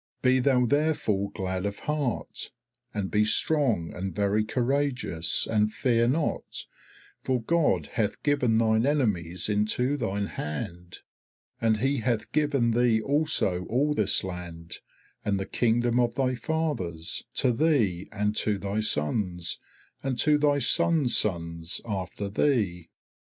Be thou therefore glad of heart, and be strong and very courageous, and fear not, for God hath given thine enemies into thine hand. And He hath given thee also all this land and the Kingdom of thy fathers, to thee and to thy sons and to thy sons' sons after thee.